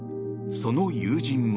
その友人は。